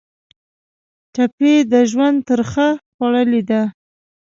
ټپي د ژوند ترخه خوړلې ده.